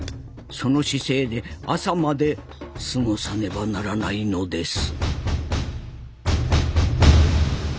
その姿勢で朝まで過ごさねばならないのです。